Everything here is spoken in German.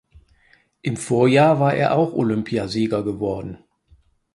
Im Vorjahr war er auch Olympiasieger geworden.